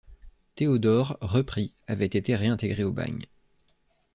Théodore, repris, avait été réintégré au bagne.